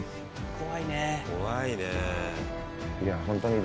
怖いね。